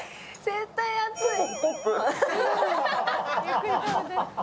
絶対熱い。